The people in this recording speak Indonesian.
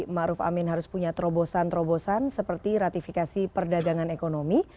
⁇ maruf amin harus punya terobosan terobosan seperti ratifikasi perdagangan ekonomi